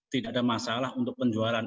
tidak ada masalah untuk penjualan